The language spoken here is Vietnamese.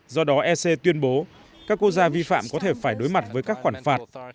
do đó ec tuyên bố các quốc gia vi phạm có thể phải đối mặt với các khoản phạt